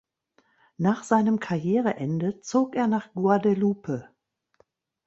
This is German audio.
Nach seinem Karriereende zog er nach Guadeloupe.